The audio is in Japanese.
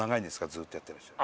ずっとやってらっしゃる？